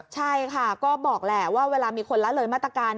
ใช่ค่ะก็บอกแหละว่าเวลามีคนละเลยมาตรการ